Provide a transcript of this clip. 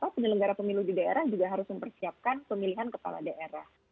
penyelenggara pemilu di daerah juga harus mempersiapkan pemilihan kepala daerah